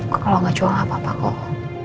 kalau gak jual apa apa kok